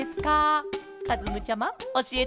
かずむちゃまおしえてケロ！